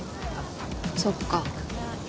そっか。